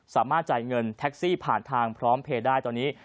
สามารถจ่ายเงินแท็กซี่ผ่านทางพร้อมเพลย์ได้ตอนนี้